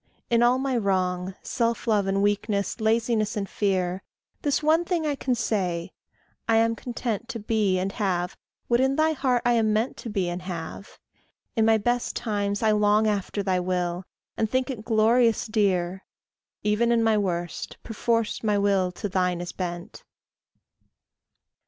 In all my wrong, Self love and weakness, laziness and fear, This one thing I can say: I am content To be and have what in thy heart I am meant To be and have. In my best times I long After thy will, and think it glorious dear; Even in my worst, perforce my will to thine is bent.